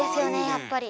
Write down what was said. やっぱり。